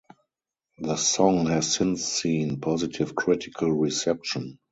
The song has since seen positive critical reception.